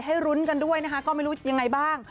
รุ้นกันด้วยนะคะก็ไม่รู้ยังไงบ้าง